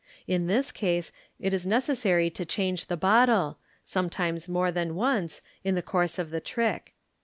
In this case it is necessary to change the bottle, sometimes more than once in the course of the tiick.